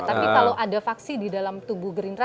tapi kalau ada faksi di dalam tubuh gerindra